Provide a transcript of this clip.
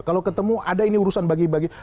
kalau ketemu ada ini urusan bagi bagi